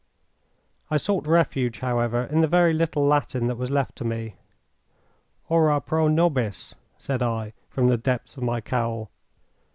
I sought refuge, however, in the very little Latin that was left to me. "Ora pro nobis," said I, from the depths of my cowl.